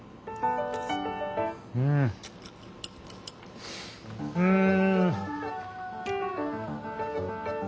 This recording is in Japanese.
うんうん！